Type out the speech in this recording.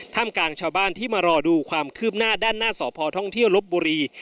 กลางชาวบ้านที่มารอดูความคืบหน้าด้านหน้าสพท่องเที่ยวลบบุรี